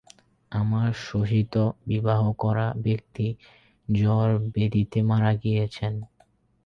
আমার সহিত বিবাহ করা ব্যক্তি জ্বর ব্যাধিতে মারা গিয়েছেন।